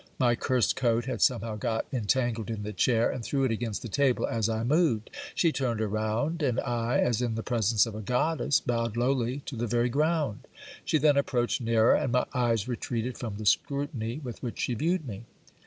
My cursed coat had somehow got entangled in the chair, and threw it against the table as I moved. She turned around; and I, as in the presence of a goddess, bowed lowly to the very ground. She then approached nearer; and my eyes retreated from the scrutiny with which she viewed me.